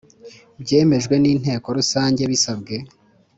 Byemejwe N Inteko Rusange Bisabwe